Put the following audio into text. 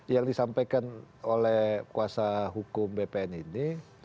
yang disampaikan oleh kuasa hukum bpn ini